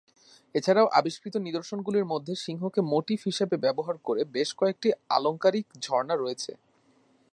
এছাড়াও আবিষ্কৃত নিদর্শনগুলির মধ্যে সিংহকে মোটিফ হিসাবে ব্যবহার করে বেশ কয়েকটি আলংকারিক ঝর্ণা রয়েছে।